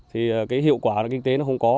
thì cái hiệu quả kinh tế nó không có